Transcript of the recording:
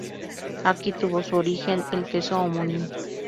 Aquí tuvo su origen el queso homónimo.